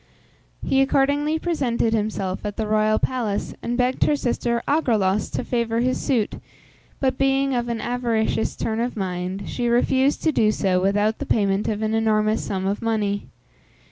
He accordingly presented himself at the royal palace, and begged her sister Agraulos to favour his suit; but, being of an avaricious turn of mind, she refused to do so without the payment of an enormous sum of money.